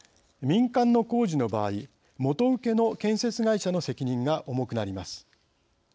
民間の工事の場合元請けの建設会社の責任が重くなります。